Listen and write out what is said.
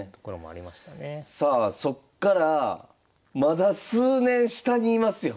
さあそっからまだ数年下にいますよ。